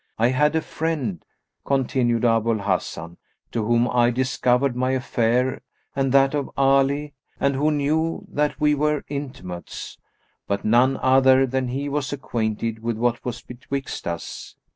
I had a friend" (continued Abu al Hasan), "to whom I discovered my affair and that of Ali and who knew that we were intimates; but none other than he was acquainted with what was betwixt us.